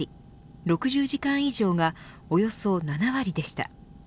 ６０時間以上がおよそ７割でした。